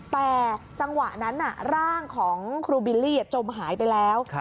แต่จังหวะนั้นร่างของครูบิลลี่จมหายไปแล้ว